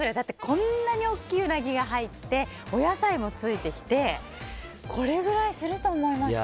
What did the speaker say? こんなに大きいうなぎが入ってお野菜もついてきてこれぐらいすると思いました。